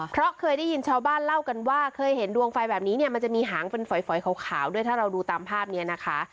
เพราะเคยได้ยินชาวบ้านเล่ากันว่าเคยเห็นดวงไฟแบบนี้เนี่ยมันจะมีหางเป็นฝอยขาวด้วยถ้าเราดูตามภาพนี้นะคะ